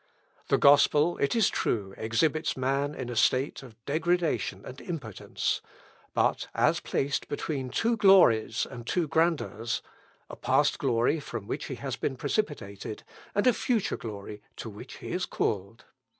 The gospel, it is true, exhibits man in a state of degradation and impotence, but as placed between two glories and two grandeurs, a past glory, from which he has been precipitated, and a future glory, to which he is called.